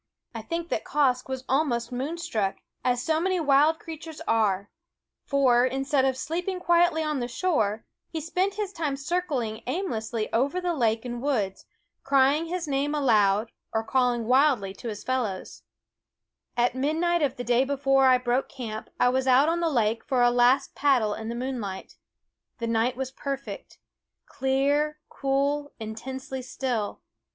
I think that Quoskh was also moonstruck, as so many wild creatures are; for, instead of sleeping quietly on the shore, he spent his time circling aimlessly over the lake and Ft THE WOODS woods, crying his name aloud, or calling wildly to his fellows. ^., A/ j u^ r u. j u r ? u i Quoskh ffie At midnight or the day before I broke ^^Ke en Eyed camp, I was out on the lake for a last paddle in the moonlight. The night was perfect, clear, cool, intensely still.